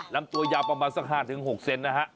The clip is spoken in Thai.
ล้ำตัวยาประมาณสัก๕๖เซนติเมตรนะฮะ